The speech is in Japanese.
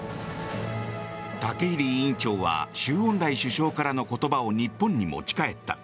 竹入委員長は周恩来首相からの言葉を日本に持ち帰った。